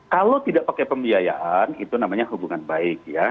kalau tidak pakai pembiayaan itu namanya hubungan baik ya